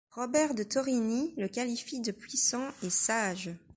Robert de Torigny le qualifie de puissant et sage.